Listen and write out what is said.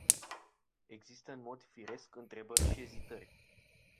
Există în mod firesc întrebări și ezitări.